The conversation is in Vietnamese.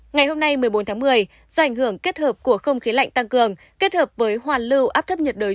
ngày hôm nay một mươi bốn tháng một mươi do ảnh hưởng kết hợp của không khí lạnh tăng cường kết hợp với hoàn lưu áp thấp nhiệt đới